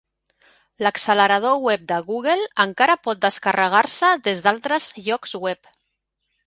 L'accelerador web de Google encara pot descarregar-se des d'altres llocs web.